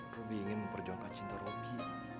robi ingin memperjongkak cinta robi